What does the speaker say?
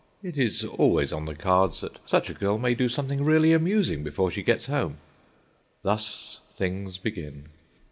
It is always on the cards that such a girl may do something really amusing before she gets home. Thus things begin.